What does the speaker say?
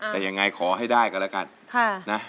แต่ยังไงขอให้ได้ก็ละกัน